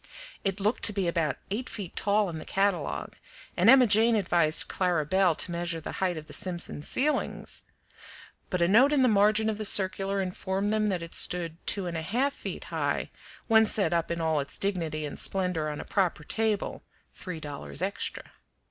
It looked to be about eight feet tall in the catalogue, and Emma Jane advised Clara Belle to measure the height of the Simpson ceilings; but a note in the margin of the circular informed them that it stood two and a half feet high when set up in all its dignity and splendor on a proper table, three dollars extra.